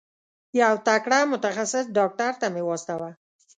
یو تکړه متخصص ډاکټر ته مي واستوه.